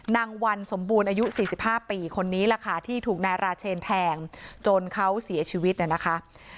นางวันสมบูรณ์อายุ๔๕ปีคนนี้แหละค่ะที่ถูกนายราเชนแทงจนเขาเสียชีวิตเนี่ยนะคะ